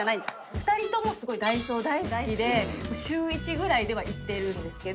２人ともすごいダイソー大好きで週１ぐらいでは行ってるんですけど。